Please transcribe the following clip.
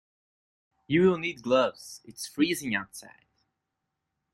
You will need gloves; it's freezing outside.